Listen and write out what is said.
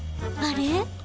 あれ？